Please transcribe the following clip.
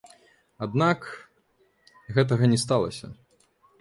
Аднак, гэтага не сталася.